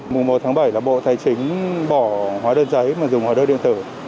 mùa một tháng bảy là bộ tài chính bỏ hóa đơn giấy mà dùng hóa đơn điện tử